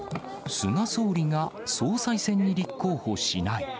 菅総理が総裁選に立候補しない。